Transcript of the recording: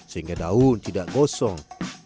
sehingga daun tidak gosong